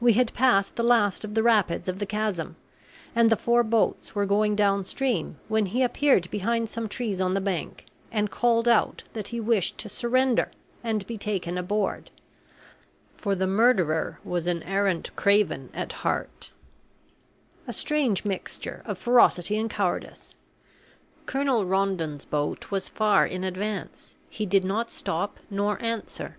We had passed the last of the rapids of the chasm, and the four boats were going down stream when he appeared behind some trees on the bank and called out that he wished to surrender and be taken aboard; for the murderer was an arrant craven at heart, a strange mixture of ferocity and cowardice. Colonel Rondon's boat was far in advance; he did not stop nor answer.